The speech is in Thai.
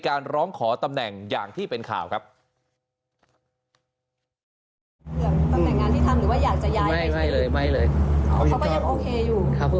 เขาก็ยังโอเคอยู่